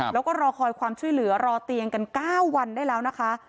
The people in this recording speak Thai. แล้วก็รอคอยความช่วยเหลือรอเตียงกัน๙วันได้แล้วนะคะ